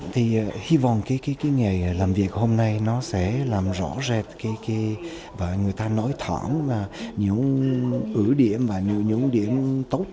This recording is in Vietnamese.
thì hy vọng cái cái cái nghề làm việc hôm nay nó sẽ làm rõ rệt cái cái và người ta nói thẳng là những ứ điểm và những điểm tốt